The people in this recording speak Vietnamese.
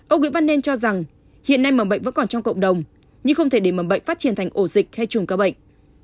ông nguyễn văn nên cho rằng hiện nay mầm bệnh vẫn còn trong cộng đồng nhưng không thể để mầm bệnh phát triển thành ổ dịch hay chùm ca bệnh